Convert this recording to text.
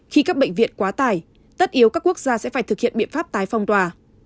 khi các bệnh viện quá tải tất yếu các quốc gia sẽ phải thực hiện biện pháp tái phong tỏa